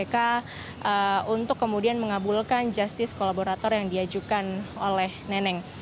ini adalah pertimbangan dari kpk untuk kemudian mengabulkan justice kolaborator yang diajukan oleh nenek